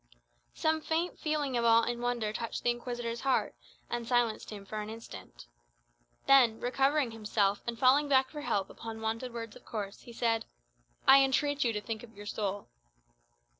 Some faint feeling of awe and wonder touched the Inquisitor's heart, and silenced him for an instant. Then, recovering himself, and falling back for help upon wonted words of course, he said, "I entreat of you to think of your soul."